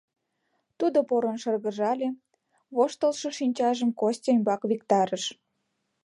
Тудо порын шыргыжале, воштылшо шинчажым Костя ӱмбак виктарыш.